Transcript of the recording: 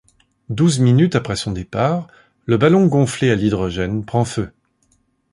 Douze minutes après son départ, le ballon gonflé à l'hydrogène prend feu.